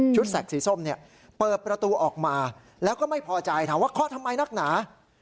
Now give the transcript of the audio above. แสกสีส้มเนี่ยเปิดประตูออกมาแล้วก็ไม่พอใจถามว่าเคาะทำไมนักหนา